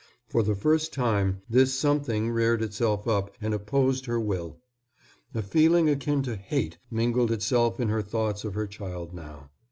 For the first time this something reared itself up and opposed her will. A feeling akin to hate mingled itself in her thoughts of her child now.